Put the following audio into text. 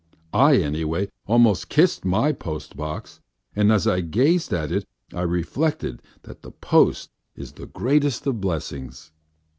I, anyway, almost kissed my postbox, and as I gazed at it I reflected that the post is the greatest of blessings.